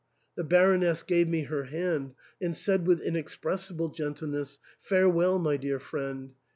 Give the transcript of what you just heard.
The Baroness gave me her hand, and said with inexpressible gentleness, ''Fare well, my dear friend.